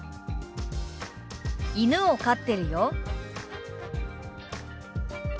「犬を飼ってるよ」。